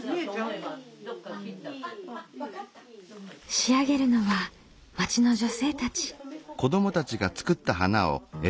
仕上げるのは町の女性たち。